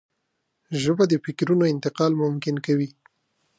ژبه د فکرونو انتقال ممکن کوي